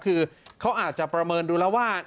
คือเขาอาจจะประเมินดูแล้วว่า